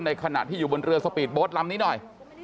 ขณะที่อยู่บนเรือสปีดโบ๊ทลำนี้หน่อย